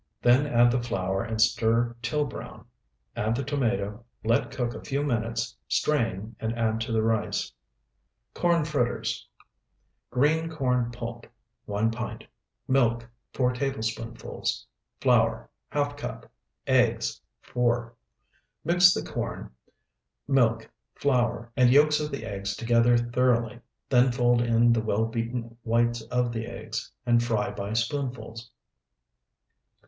Then add the flour and stir till brown. Add the tomato, let cook a few minutes, strain, and add to the rice. CORN FRITTERS Green corn pulp, 1 pint. Milk, 4 tablespoonfuls. Flour, ½ cup. Eggs, 4. Mix the corn, milk, flour, and yolks of the eggs together thoroughly. Then fold in the well beaten whites of the eggs, and fry by spoonfuls.